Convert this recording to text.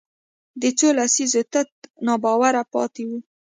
د څو لسیزو تت ناباوره پاتې وو